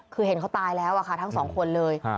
คือเห็นเขาตายแล้วอะค่ะทั้งสองคนเลย